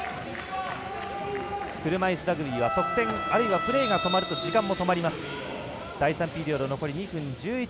車いすラグビーは、得点あるいはプレーが止まると時間も止まります。